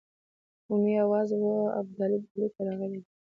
عمومي آوازه وه ابدالي ډهلي ته راغلی دی.